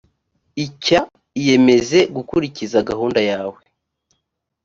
icya iyemeze gukurikiza gahunda yawe